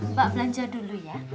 mbak belanja dulu ya